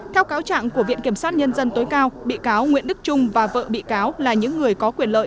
theo cáo trạng của viện kiểm sát nhân dân tối cao bị cáo nguyễn đức trung và vợ bị cáo là những người có quyền lợi